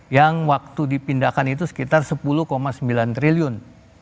yang waktu dipindahkan itu sekitar sepuluh sembilan triliun